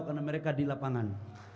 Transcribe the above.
karena mereka di lapangan